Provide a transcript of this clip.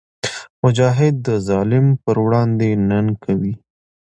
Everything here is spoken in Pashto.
مجاهد د ظالم پر وړاندې ننګ کوي.